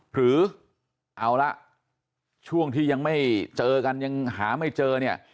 หรือเอาละช่วงที่ยังไม่เจอกันยังหาไม่เจอเนี่ย